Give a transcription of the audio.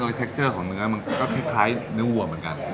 เทคเจอร์ของเนื้อมันก็คล้ายเนื้อวัวเหมือนกัน